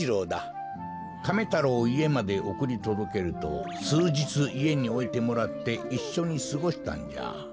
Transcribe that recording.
カメ太郎をいえまでおくりとどけるとすうじついえにおいてもらっていっしょにすごしたんじゃ。